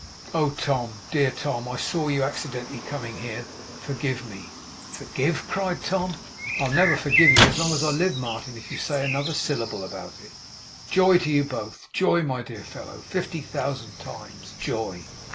'Oh, Tom! Dear Tom! I saw you, accidentally, coming here. Forgive me!' 'Forgive!' cried Tom. 'I'll never forgive you as long as I live, Martin, if you say another syllable about it. Joy to you both! Joy, my dear fellow, fifty thousand times.' Joy!